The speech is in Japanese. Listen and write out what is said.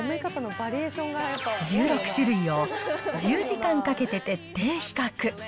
１６種類を１０時間かけて徹底比較。